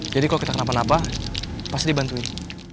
jadi kalau kita kenapa napa pasti dibantuin